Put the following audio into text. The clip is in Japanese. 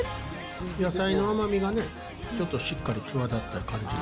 野菜の甘みがね、ちょっとしっかり際立ってる感じで。